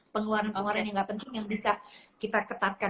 pengeluaran pengeluaran yang nggak penting yang bisa kita ketatkan